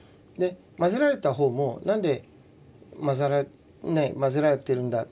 交ぜられた方も何で交ぜられてるんだって。